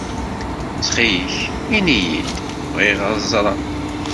Ttxil-k, ini-iyi-d, bɣiɣ ad ẓreɣ.